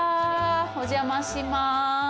お邪魔します。